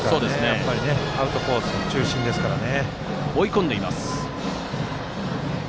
やっぱりアウトコース中心ですからね。